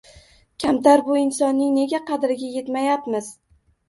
Kamtar bu insonlarning nega qadriga yetmayapmiz?